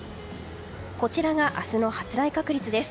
こちらが明日の発雷確率です。